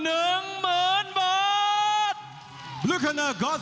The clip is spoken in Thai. และสมมุติการเข้าช